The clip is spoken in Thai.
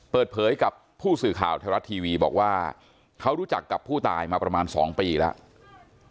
เปิดเผยกับผู้สื่อข่าวไทยรัฐทีวีบอกว่าเขารู้จักกับผู้ตายมาประมาณ๒ปีแล้ว